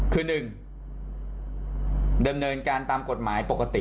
คือหนึ่งเดิมเนินการตามกฎหมายปกติ